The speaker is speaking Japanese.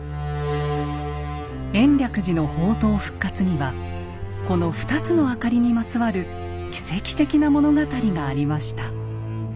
延暦寺の法灯復活にはこの２つの灯りにまつわる奇跡的な物語がありました。